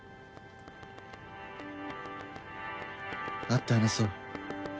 「会って話そう。